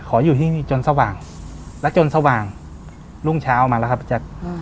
ขออยู่ที่นี่จนสว่างแล้วจนสว่างรุ่งเช้ามาแล้วครับพี่แจ๊ค